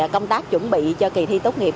công tác chuẩn bị cho kỳ thi tốt nghiệp